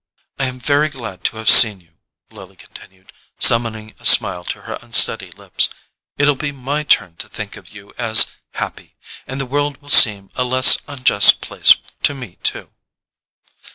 "I am very glad to have seen you," Lily continued, summoning a smile to her unsteady lips. "It'll be my turn to think of you as happy—and the world will seem a less unjust place to me too."